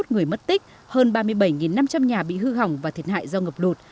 hai mươi người mất tích hơn ba mươi bảy năm trăm linh nhà bị hư hỏng và thiệt hại do ngập lụt